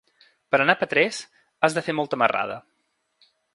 Per anar a Petrés has de fer molta marrada.